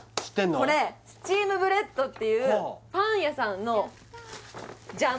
これスチームブレッドっていうパン屋さんのじゃん